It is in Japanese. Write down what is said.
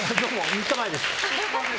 ３日前です。